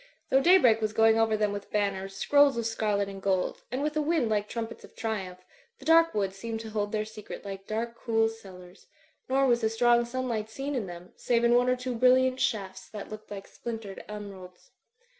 Though daybreak was going over them with banners, scrolls of scarlet and gold, and with a wind like trumpets of triumph, the dark woods seemed to hold their secret like dark, cool cellars; nor was the strong sunlight seen in them, save in one or two brilliant shafts, that looked like splin tered emeralds.